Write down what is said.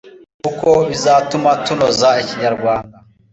Kuko bizatuma tunoza ikinyarwanda